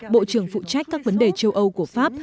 bộ trưởng phụ trách các vấn đề châu âu của pháp